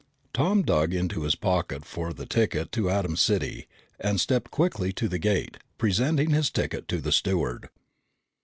Tom dug into his pocket for the ticket to Atom City and stepped quickly to the gate, presenting his ticket to the steward.